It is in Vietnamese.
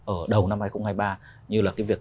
ở đầu năm hai nghìn hai mươi ba như là cái việc